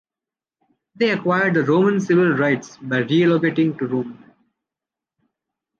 They acquired the Roman civil rights by relocating to Rome.